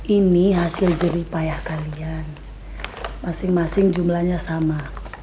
ini hasil juri payah kalian masing masing jumlahnya sama